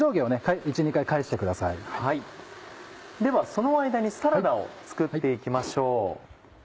ではその間にサラダを作って行きましょう。